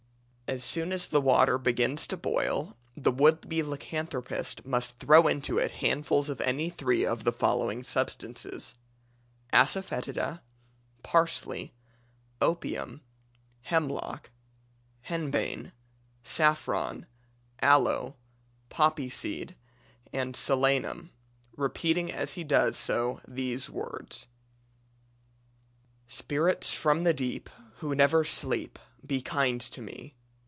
As soon as the water begins to boil the would be lycanthropist must throw into it handfuls of any three of the following substances: Asafoetida, parsley, opium, hemlock, henbane, saffron, aloe, poppy seed and solanum; repeating as he does so these words: "Spirits from the deep Who never sleep, Be kind to me.